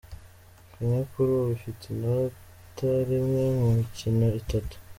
Kenya kuri ubu ifite inota rimwe mu mikino itatu